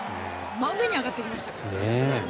真上に上がっていきましたからね。